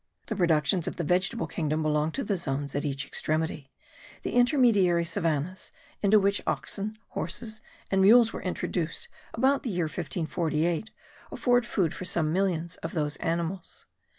The productions of the vegetable kingdom belong to the zones at each extremity; the intermediary savannahs, into which oxen, horses, and mules were introduced about the year 1548, afford food for some millions of those animals.